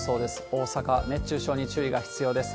大阪、熱中症に注意が必要です。